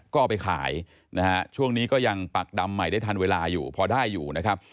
ก็เอาไปขายนะฮะช่วงนี้ก็ยังปักดำใหม่ได้ทันเวลาอยู่พอได้อยู่นะครับ